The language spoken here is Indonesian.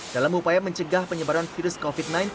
dalam upaya mencegah penyebaran virus covid sembilan belas